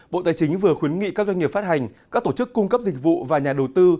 bộ tài chính vừa khuyến nghị các doanh nghiệp phát hành các tổ chức cung cấp dịch vụ và nhà đầu tư